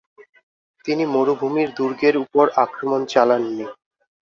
তিনি মরুভূমির দুর্গের উপর আক্রমণ চালাননি।